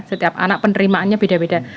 setiap anak penerimaannya beda beda